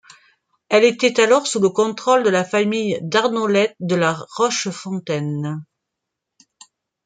Elle était alors sous le contrôle de la famille d'Arnolet de La Rochefontaine.